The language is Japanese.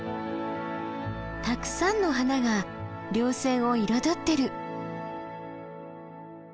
たくさんの花が稜線を彩ってる。